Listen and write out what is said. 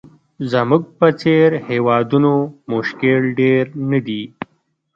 زموږ په څېر هېوادونو مشکل ډېر نه دي.